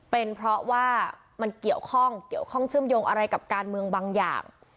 เป็นเพราะว่ามันเกี่ยวข้องเกี่ยวข้องเชื่อมโยงอะไรกับการเมืองบางอย่าง